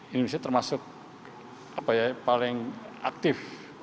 indonesia termasuk paling aktif